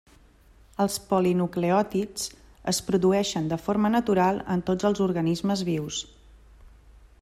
Els polinucleòtids es produeixen de forma natural en tots els organismes vius.